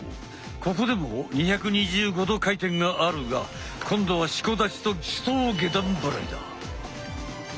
ここでも２２５度回転があるが今度は四股立ちと手刀下段払いだ。